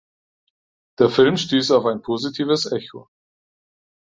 Der Film stieß auf ein positives Echo.